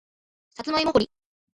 さつまいも掘り